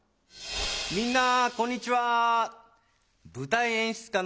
みんなこんにちは。